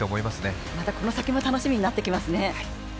また、この先も楽しみになってきますね。